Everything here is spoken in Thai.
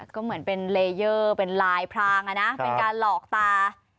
ก็เหมือนเป็นเลเยอร์เป็นลายพรางอะนะเป็นการหลอกตา